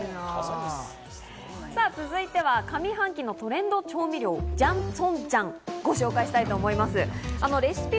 続いては、上半期のトレンド調味料ジャンツォンジャン、ご紹介したいと思います。